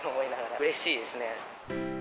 うれしいですね。